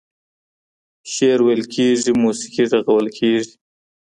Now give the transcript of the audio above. شعر ويل کېږي، موسيقي غږول کېږي.